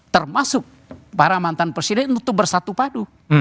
termasuk para mantan presiden untuk bersatu padu